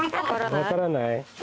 分からない？